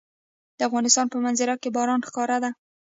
د افغانستان په منظره کې باران ښکاره ده.